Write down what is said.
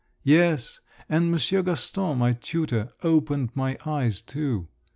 Yes, and Monsieur Gaston, my tutor, opened my eyes too.